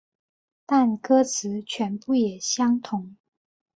但歌词全部也相同。